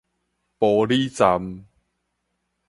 埔里站